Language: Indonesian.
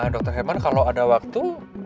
dokter hewan kalau ada waktu